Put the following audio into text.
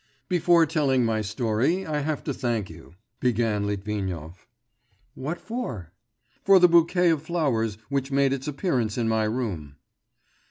'Before telling my story, I have to thank you,' began Litvinov. 'What for?' 'For the bouquet of flowers, which made its appearance in my room.